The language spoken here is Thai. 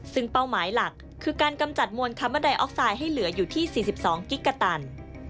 ซึ่งเป้าหมายหลักคือการกำจัดมวลคาร์บอนไดออกไซด์ให้เหลืออยู่ที่๔๒กิ๊กกะตัน